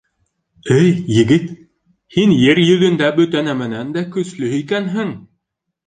— Эй, егет, һин ер йөҙөндә бөтә нәмәнән дә көслө икәнһең.